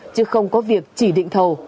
chứ không có việc chỉ định thầu